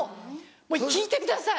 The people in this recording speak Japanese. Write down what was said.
もう聞いてください！